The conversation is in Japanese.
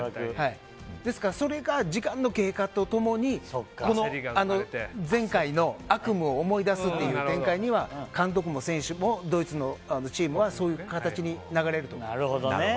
ですから、それが時間の経過と共に前回の悪夢を思い出すという展開には監督も選手も、ドイツのチームはそういう形に流れると思います。